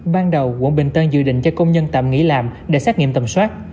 ban đầu quận bình tân dự định cho công nhân tạm nghỉ làm để xét nghiệm tầm soát